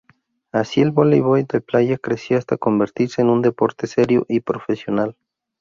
Así, el voleibol de playa creció hasta convertirse en un deporte serio y profesional.